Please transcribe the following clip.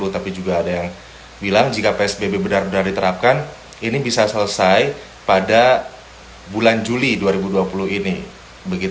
tapi juga ada yang bilang jika psbb benar benar diterapkan ini bisa selesai pada bulan juli dua ribu dua puluh ini